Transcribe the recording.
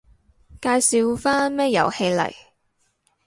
介紹返咩遊戲嚟